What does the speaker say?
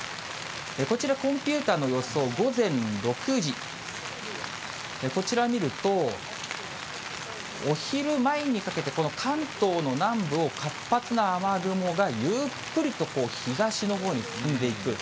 こちら、コンピューターの予想、午前６時、こちら見ると、お昼前にかけて、この関東の南部を活発な雨雲がゆっくりと東のほうに進んでいく。